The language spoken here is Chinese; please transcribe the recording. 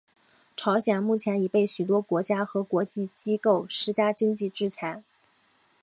朝鲜目前已被许多国家和国际机构施加经济制裁。